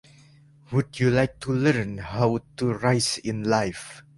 Would you like to learn how to rise in life?